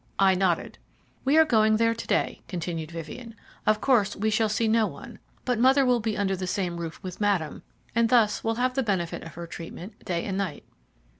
I nodded. "We are going there to day," continued Vivien. "Of course we shall see no one, but mother will be under the same roof with Madame, and thus will have the benefit of her treatment day and night."